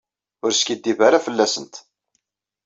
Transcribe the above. Ur skiddib ara fell-asent.